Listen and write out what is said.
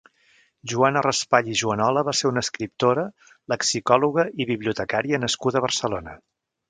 Joana Raspall i Juanola va ser una escriptora, lexicòloga i bibliotecària nascuda a Barcelona.